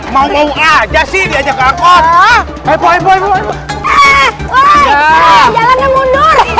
mau mau aja sih diajak akun